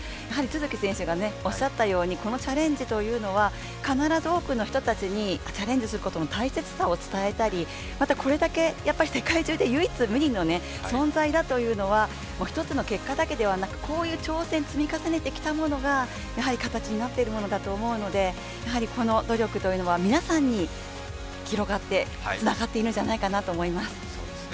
やはり都築先生がおっしゃったように、このチャレンジというのは必ず多くの人たちに、チャレンジすることの大切さを伝えたりまた、これだけ、世界中で唯一無二の存在だというのはもう一つの結果だけではなく挑戦、積み重ねてきたことがやはり形になっているものだと思うのでこの努力というものは皆さんに広がってつながっているんじゃないかなと思います。